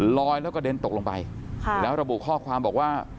ลอยแล้วกระเด็นตกลงไปแล้วระบุข้อความบอกว่า